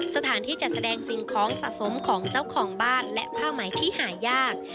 สถานที่จัดแสดงสิ่งของสะสมของเจ้าของบ้านและผ้าไหมที่หายาก